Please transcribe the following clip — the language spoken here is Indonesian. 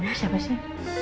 mas siapa sih